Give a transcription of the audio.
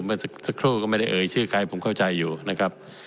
เมื่อสักครู่ก็ไม่ได้เอ่ยชื่อใครผมเข้าใจอยู่นะครับ